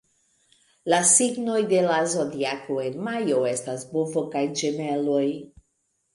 La signoj de la Zodiako en majo estas Bovo kaj Ĝemeloj.